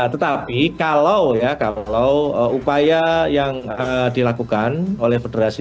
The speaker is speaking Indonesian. tetapi kalau ya kalau upaya yang dilakukan oleh federasi